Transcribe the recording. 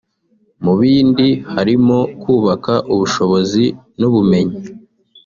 Mu bindi harimo kubaka ubushobozi n’ubumenyi